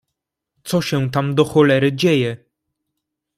Co się tam, do cholery, dzieje?